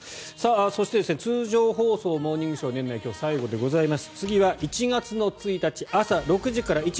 そして、通常放送「モーニングショー」年内今日最後でございます。